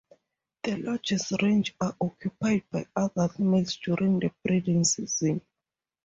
The largest ranges are occupied by adult males during the breeding season.